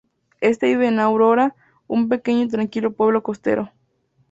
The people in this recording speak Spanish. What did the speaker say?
Éste vive en Aurora, un pequeño y tranquilo pueblo costero.